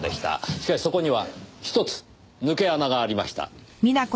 しかしそこには１つ抜け穴がありました。